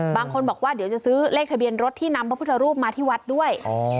บางคนบอกว่าเดี๋ยวจะซื้อเลขทะเบียนรถที่นำพระพุทธรูปมาที่วัดด้วย